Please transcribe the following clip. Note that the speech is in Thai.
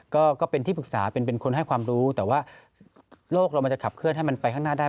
ก็เป็นที่ปรึกษาเป็นคนให้ความรู้แต่ว่าโลกเรามันจะขับเคลื่อนให้มันไปข้างหน้าได้